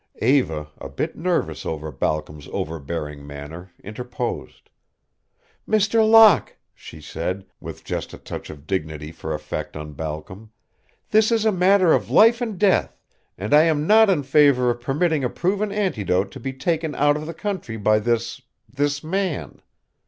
Eva, a bit nervous over Balcom's overbearing manner, interposed. "Mr. Locke," she said, with just a touch of dignity for effect on Balcom, "this is a matter of life and death, and I am not in favor of permitting a proven antidote to be taken out of the country by this this man.